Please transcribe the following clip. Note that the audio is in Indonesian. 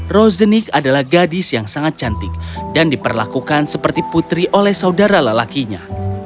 rosenik adalah gadis yang sangat cantik dan diperlakukan seperti putri oleh saudara lelakinya